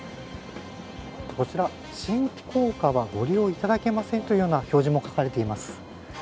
こちら、新硬貨はご利用いただけませんという表示も書かれています。